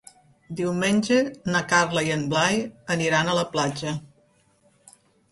Diumenge na Carla i en Blai aniran a la platja.